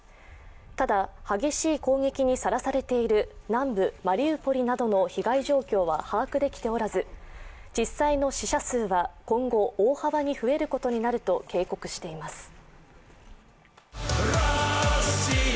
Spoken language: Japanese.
ただ激しい攻撃にさらされている南部マリウポリなどの被害状況は把握できておらず実際の死者数は今後大幅に増えることになると警告しています。